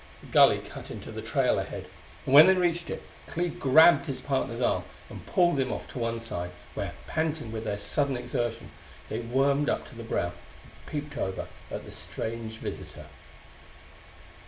A gully cut into the trail ahead, and when they reached it Clee grabbed his partner's arm and pulled him off to one side, where, panting with their sudden exertion, they wormed up to the brow and peeped over at their strange visitor.